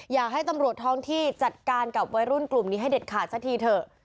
อยากให้ตำรวจท้องที่จัดการกับวัยรุ่นกลุ่มนี้ให้เด็ดขาดสักทีเถอะ